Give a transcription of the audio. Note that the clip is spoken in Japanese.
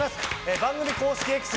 番組公式Ｘ